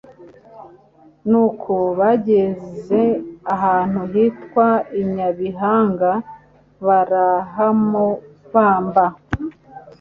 Nuko bageze ahantu hitwa i Nyabihanga barahamubamba'"